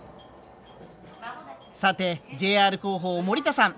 さてＪＲ広報森田さん